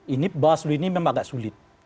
ini bawaslu ini memang agak sulit